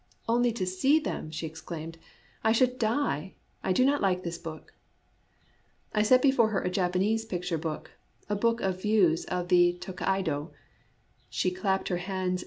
"Only to see them," she exclaimed, "I should die ! I do not like this book." I set before her a Japanese picture book, — a book of views of the Tokaido.